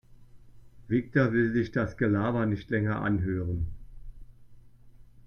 Viktor will sich das Gelaber nicht länger anhören.